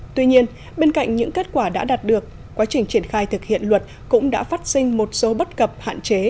tuy nhiên bên cạnh những kết quả đã đạt được quá trình triển khai thực hiện luật cũng đã phát sinh một số bất cập hạn chế